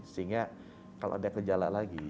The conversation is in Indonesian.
sehingga kalau ada kejala lagi